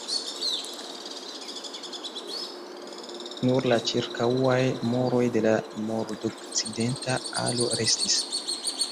Nur la ĉirkaŭaj muroj de la nordokcidenta alo restis.